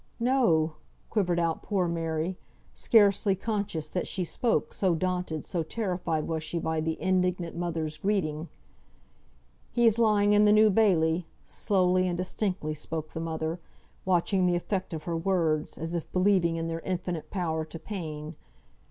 "No!" quivered out poor Mary, scarcely conscious that she spoke, so daunted, so terrified was she by the indignant mother's greeting. "He's lying in th' New Bailey," slowly and distinctly spoke the mother, watching the effect of her words, as if believing in their infinite power to pain.